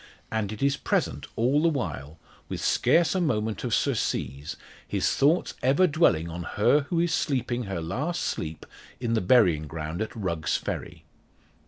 And it is present all the while, with scarce a moment of surcease, his thoughts ever dwelling on her who is sleeping her last sleep in the burying ground at Rugg's Ferry.